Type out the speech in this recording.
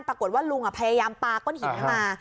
ปรากฏว่าลุงพยายามปลาก้นหินให้มา